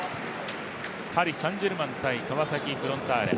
パリ・サン＝ジェルマン×川崎フロンターレ。